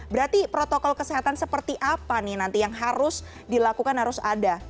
berarti protokol kesehatan seperti apa nih nanti yang harus dilakukan harus ada